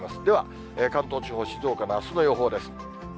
では、関東地方、静岡のあすの予報です。